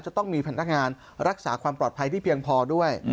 จะต้องมีพนักงานรักษาความปลอดภัยที่เพียงพอด้วย